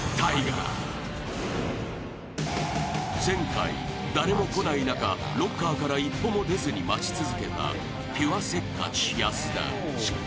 ［前回誰も来ない中ロッカーから一歩も出ずに待ち続けたピュアせっかち安田］